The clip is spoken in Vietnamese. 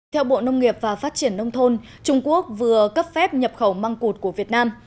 theo bộ nông nghiệp và phát triển nông thôn trung quốc vừa cấp phép nhập khẩu măng cụt của việt nam